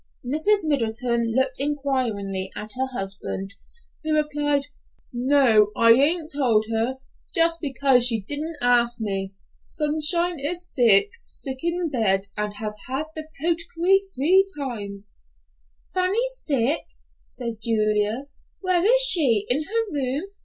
Mrs. Middleton looked inquiringly at her husband, who replied, "No, I hain't told her, jest because she didn't ask me. Sunshine is sick—sick in bed, and has had the potecary three times." "Fanny sick," said Julia. "Where is she? In her room?